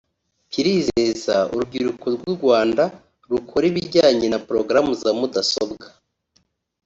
kirizeza urubyiruko rw’u Rwanda rukora ibijyanye na porogaramu za mudasobwa